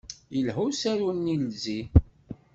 Yelha usaru-nni "Izi"?